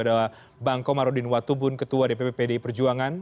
adalah bang komar udin watubun ketua dpp pd perjuangan